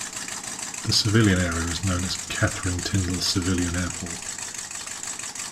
The civilian area is known as Katherine Tindal Civilian Airport.